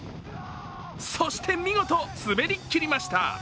そして見事、滑りきりました。